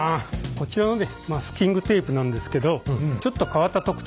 こちらのマスキングテープなんですけどちょっと変わった特徴があります。